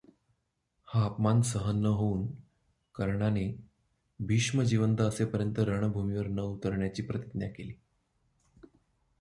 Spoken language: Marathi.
हा अपमान सहन न होऊन कर्णाने भीष्म जिवंत असेपर्यंत रणभूमीवर न उतरण्याची प्रतिज्ञा केली.